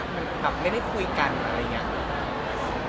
มันแบบไม่ได้คุยกันอะไรอย่างนี้